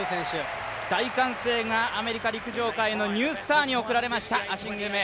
大歓声がアメリカ陸上界のニュースターに送られました。